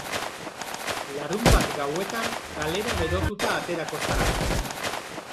Larunbat gauetan, kalera berotuta aterako zara!